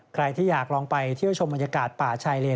ใครที่อยากลองไปเที่ยวชมบรรยากาศป่าชายเลน